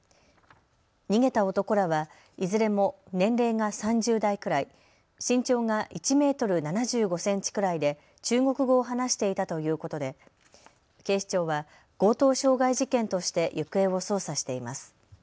逃げた男らは、いずれも年齢が３０代くらい、身長が１メートル７５センチくらいで中国語を話していたということで警視庁は強盗傷害事件として行方を捜査しています。